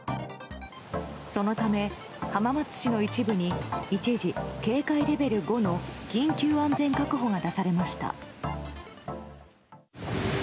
そのため浜松市の一部に一時、警戒レベル５の緊急安全確保が出されました。